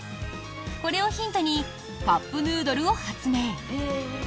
これをヒントにカップヌードルを発明。